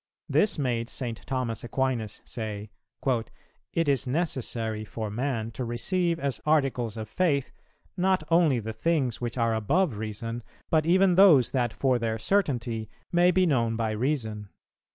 This made St. Thomas Aquinas say: 'It is necessary for man to receive as articles of Faith, not only the things which are above Reason, but even those that for their certainty may be known by Reason.